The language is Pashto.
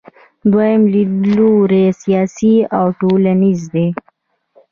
دویم لیدلوری سیاسي او ټولنیز دی.